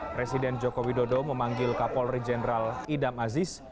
presiden joko widodo memanggil kapolri jenderal idam aziz